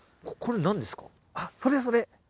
はいあっそれそれ